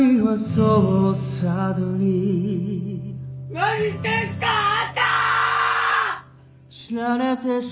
何してんすかあんた！